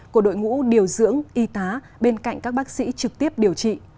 của đội ngũ điều dưỡng y tá bên cạnh các bác sĩ trực tiếp điều trị